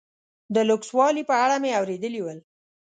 د لوکسوالي په اړه مې اورېدلي ول.